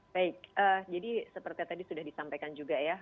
baik jadi seperti tadi sudah disampaikan juga ya